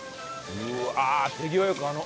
うわ手際よくあの。